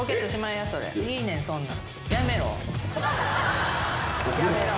いいねんそんなん。